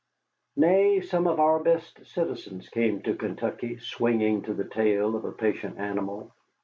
Nay, some of our best citizens came to Kentucky swinging to the tail of a patient animal.